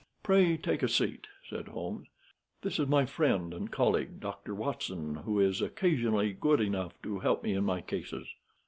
"Pray take a seat," said Holmes. "This is my friend and colleague, Doctor Watson, who is occasionally good enough to help me in my cases.